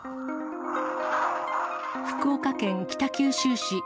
福岡県北九州市。